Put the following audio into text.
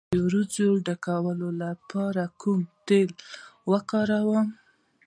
د وروځو د ډکیدو لپاره کوم تېل وکاروم؟